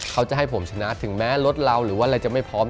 เขาจะให้ผมชนะถึงแม้รถเราหรือว่าอะไรจะไม่พร้อม